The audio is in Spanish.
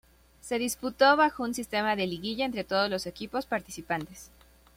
Se disputó bajo un sistema de liguilla entre todos los equipos participantes.